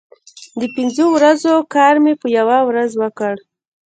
د پنځو ورځو کار مې په یوه ورځ وکړ.